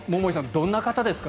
どんな方ですか？